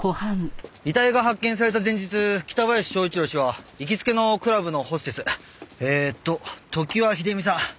遺体が発見された前日北林昭一郎氏は行きつけのクラブのホステスえーっと常盤秀美さん